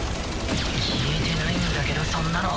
聞いてないんだけどそんなの。